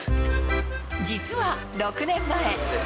実は６年前。